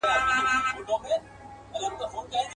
تېرول يې نرۍ ژبه پر برېتونو.